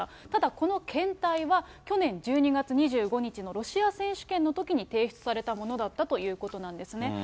ただこの検体は、去年１２月２５日のロシア選手権のときに提出されたものだったということなんですね。